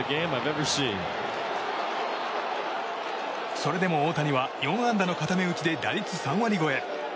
それでも大谷は４安打の固め打ちで打率３割超え。